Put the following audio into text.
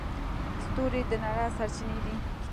ستوري د رڼا سرچینې دي.